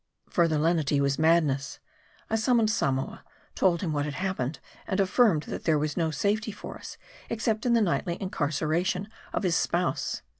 Further lenity was madness. I summoned Samoa, told him what had happened, and affirmed that there was no safety for us except in the nightly incarceration of his spouse.